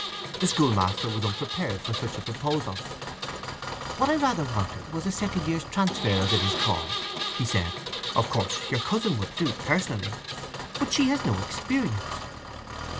The school master was unprepared for such a proposal. "What I rather wanted was a second year's transfer, as it is called," he said. "Of course your cousin would do, personally; but she has had no experience.